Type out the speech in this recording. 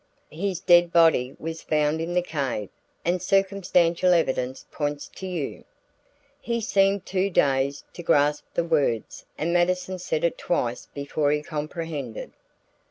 "His dead body was found in the cave, and circumstantial evidence points to you." He seemed too dazed to grasp the words and Mattison said it twice before he comprehended.